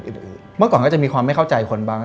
เมื่อก่อนก็จะมีความไม่เข้าใจคนบ้าง